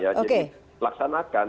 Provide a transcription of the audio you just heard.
ya jadi laksanakan